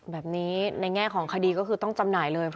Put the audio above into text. แบบนี้ในแง่ของคดีก็คือต้องจำหน่ายเลย